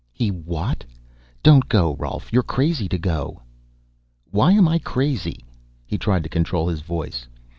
"He what? Don't go, Rolf. You're crazy to go." "Why am I crazy?" He tried to control his voice.